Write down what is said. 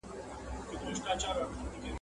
چي څوک سپور ویني پر آس دی یې غلام وي !.